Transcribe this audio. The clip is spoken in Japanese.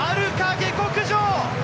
下克上！